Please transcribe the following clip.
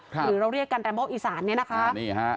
หรือเราเรียกกันแรมโบอีสานนี่น่ะครับ